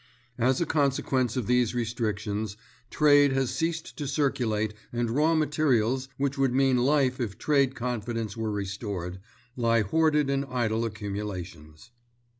As a consequence of these restrictions, trade has ceased to circulate and raw materials, which would mean life if trade confidence were restored, lie hoarded in idle accumulations.